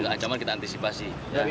ancaman kita antisipasi